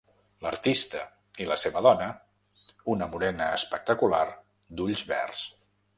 L'artista i la seva dona, una morena espectacular d'ulls verds.